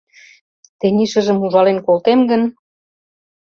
Тений шыжым ужален колтем гын...